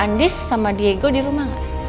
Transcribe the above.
andis sama diego di rumah nggak